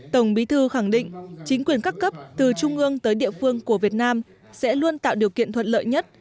tổng bí thư khẳng định chính quyền các cấp từ trung ương tới địa phương của việt nam sẽ luôn tạo điều kiện thuận lợi nhất